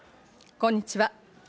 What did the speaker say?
こんにちは。